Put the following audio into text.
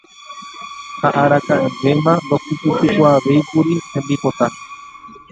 Ha araka'evéma ndohupytykuaavéikuri hembipota.